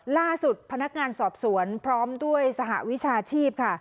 ล่าสุดพนักงานสอบสวนพร้อมด้วยสหวิชาชีพค่ะ